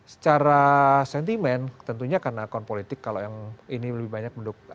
secara sentimen tentunya karena akun politik kalau yang ini lebih banyak mendukung